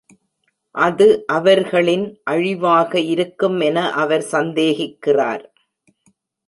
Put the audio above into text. அது அவர்களின் அழிவாக இருக்கும் என அவர் சந்தேகிக்கிறார்.